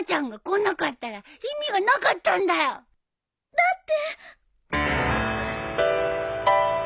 だって。